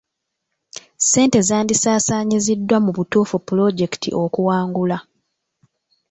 Ssente zandisaasaanyiziddwa mu butuufu pulojekiti okuwangula.